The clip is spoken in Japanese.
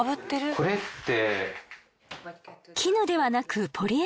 これって。